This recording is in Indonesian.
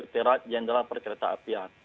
terajenderal perkereta apian